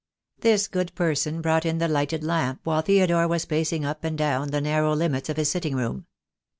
This good person brought in the lighted lamp while Theodore was pacing up and down the narrow limits of his sitting room.